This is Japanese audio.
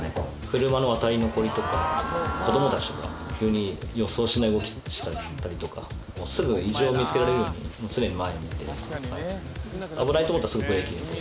車の渡り残りとか、子どもたちとか、急に予想しない動きしちゃったりとか、すぐ異常を見つけられるように、もう常に前を見て、危ないと思ったらすぐブレーキ。